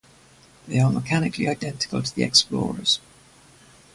They are mechanically identical to the Xplorers.